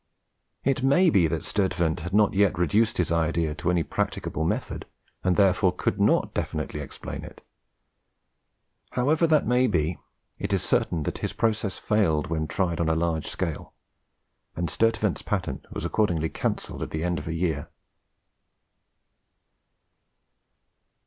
It may be that Sturtevant had not yet reduced his idea to any practicable method, and therefore could not definitely explain it. However that may be, it is certain that his process failed when tried on a large scale, and Sturtevant's patent was accordingly cancelled at the end of a year.